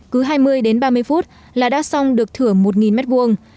cứ hai mươi đến ba mươi phút là đã xong được thửa một mét vuông